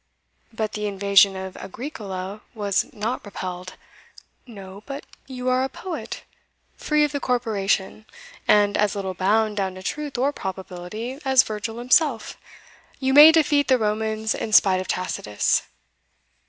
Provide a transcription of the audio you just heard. "But the invasion of Agricola was not repelled." "No; but you are a poet free of the corporation, and as little bound down to truth or probability as Virgil himself You may defeat the Romans in spite of Tacitus."